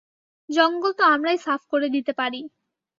জঙ্গল তো আমরাই সাফ করে দিতে পারি।